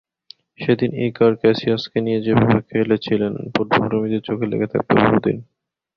সেদিন ইকার ক্যাসিয়াসকে নিয়ে যেভাবে খেলেছিলেন, ফুটবলপ্রেমীদের চোখে লেগে থাকবে বহুদিন।